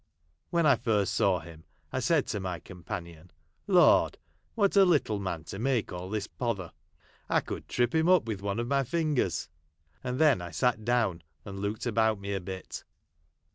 When I first saw him, I said to my companion, " Lord ! What a little man to make all this pother ! I could trip him up with one of my fingers ;" and then I sat down, and looked about me a bit.